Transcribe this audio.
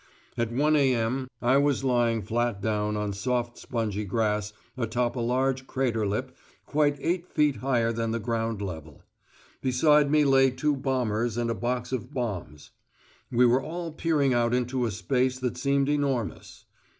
At 1.0 a.m. I was lying flat down on soft spongy grass atop of a large crater lip quite eight feet higher than the ground level. Beside me lay two bombers and a box of bombs: we were all peering out into a space that seemed enormous.